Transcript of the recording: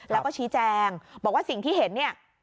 แล้วก็ชี้แจงบอกว่าสิ่งที่เห็นเนี่ย